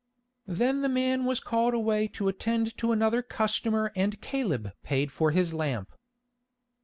Then the man was called away to attend to another customer and Caleb paid for his lamp.